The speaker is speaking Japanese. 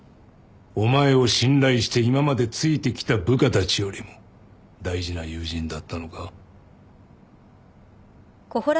お前を信頼して今までついてきた部下たちよりも大事な友人だったのか？